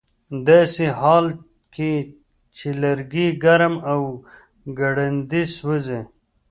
ه داسې حال کې چې لرګي ګرم او ګړندي سوځي